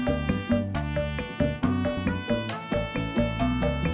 tapi saya takut jak